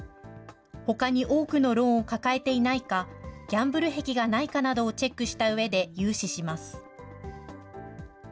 ほかに多くのローンを抱えていないか、ギャンブル癖がないかなどをチェックしたうえで、融資します。